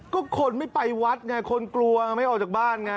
ก็คนไม่ไปวัดไงคนกลัวไม่ออกจากบ้านไง